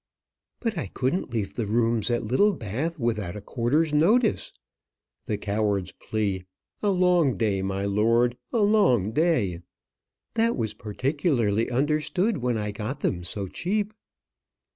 "But I couldn't leave the rooms at Littlebath without a quarter's notice;" the coward's plea; a long day, my lord, a long day "that was particularly understood when I got them so cheap."